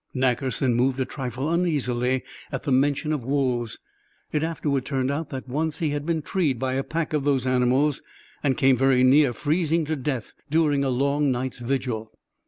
Nackerson moved a trifle uneasily at the mention of wolves; it afterward turned out that once he had been treed by a pack of those animals, and came very near freezing to death during a long night's vigil.